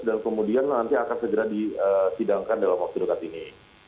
dan kemudian nanti akan segera disidangkan dalam oksidikat ini